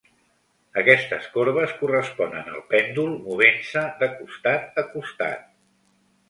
Aquestes corbes corresponen al pèndol movent-se de costat a costat.